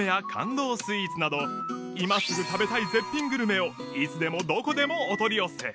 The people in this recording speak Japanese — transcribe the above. スイーツなど今すぐ食べたい絶品グルメをいつでもどこでもお取り寄せ